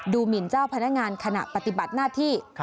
หมินเจ้าพนักงานขณะปฏิบัติหน้าที่